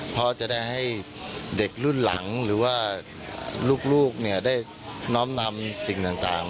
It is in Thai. เพราะจะได้ให้เด็กรุ่นหลังหรือว่าลูกได้น้อมนำสิ่งต่าง